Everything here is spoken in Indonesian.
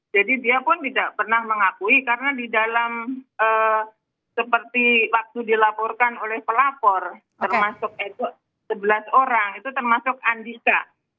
jadi dia pun tidak pernah mengakui karena di dalam seperti waktu dilaporkan oleh pelapor termasuk itu sebelas orang itu termasuk andika